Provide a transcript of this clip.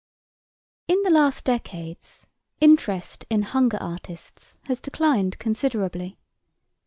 In the last decades interest in hunger artists has declined considerably.